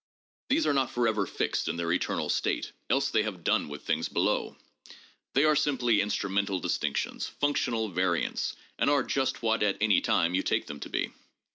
These are not forever fixed in their eternal state; else they have done with things below. They are simply instrumental distinctions, functional vari ants, and are just what at any time you take them to be.